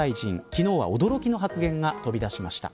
昨日は驚きの発言が飛び出しました。